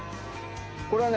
これはね